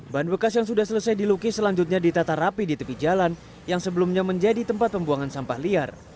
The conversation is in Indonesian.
ban bekas yang sudah selesai dilukis selanjutnya ditata rapi di tepi jalan yang sebelumnya menjadi tempat pembuangan sampah liar